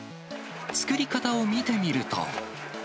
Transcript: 作り方を見てみると。